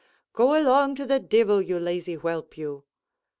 "Go along to the divil, you lazy whelp you!"